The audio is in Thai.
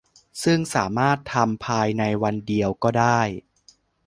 ซึ่งสามารถทำภายในวันเดียวก็ได้